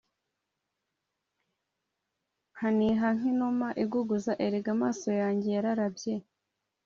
nkaniha nk inuma iguguza Erega amaso yanjye yararabye